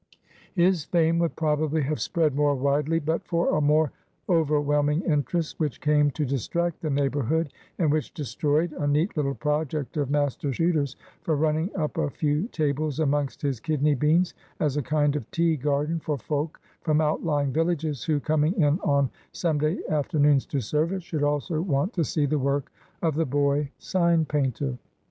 His fame would probably have spread more widely, but for a more overwhelming interest which came to distract the neighborhood, and which destroyed a neat little project of Master Chuter's for running up a few tables amongst his kidney beans, as a kind of "tea garden" for folk from outlying villages, who, coming in on Sunday afternoons to service, should also want to see the work of the boy sign painter.